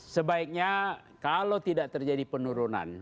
sebaiknya kalau tidak terjadi penurunan